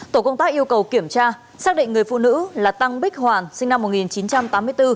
tổ công tác yêu cầu kiểm tra xác định người phụ nữ là tăng bích hoàn sinh năm một nghìn chín trăm tám mươi bốn